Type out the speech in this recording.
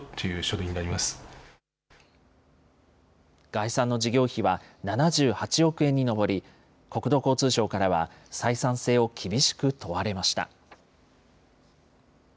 概算の事業費は７８億円に上り、国土交通省からは、採算性を厳しく問われました。